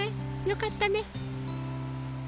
よかったね。